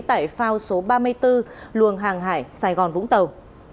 tại phao số ba mươi bốn luồng hàng hải sài gòn vũng tàu